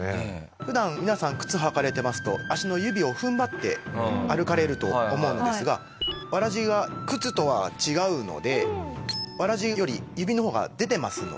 普段皆さん靴を履かれてますと足の指を踏ん張って歩かれると思うのですが草鞋が靴とは違うので草鞋より指の方が出てますので。